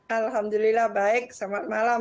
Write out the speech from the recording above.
alhamdulillah baik selamat malam